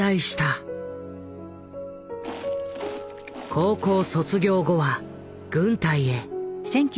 高校卒業後は軍隊へ。